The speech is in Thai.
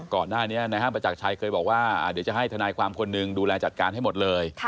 ก่อนหน้านี้นะครับประจักรชัยเคยบอกว่าเดี๋ยวจะให้ทนายความคนหนึ่งดูแลจัดการให้หมดเลย